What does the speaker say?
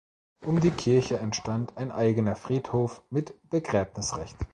Um die Kirche entstand ein eigener Friedhof mit Begräbnisrecht.